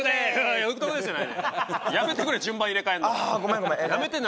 やめてくれ順番入れ替えるの。